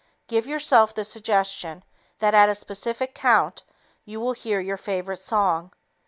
Give yourself the suggestion that at a specific count you will hear your favorite song.